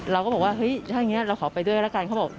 เราก็บอกว่าเฮ้ยตั้งเนี้ยเราขอไปด้วยแล้วกันเขาบอก